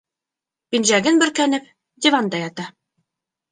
Пинжәген бөркәнеп, диванда ята.